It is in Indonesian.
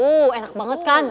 oh enak banget kan